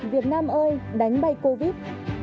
việt nam ơi đánh bay covid